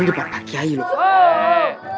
ini depan pak kiai loh